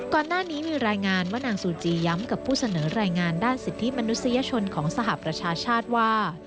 ก่อนหน้านี้มีรายงานว่านางซูจีย้ำกับผู้เสนอรายงานด้านสิทธิมนุษยชนของสหประชาชาติว่า